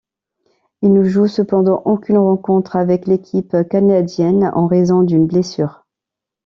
Il ne joue cependant aucune rencontre avec l'équipe canadienne en raison d'une blessure.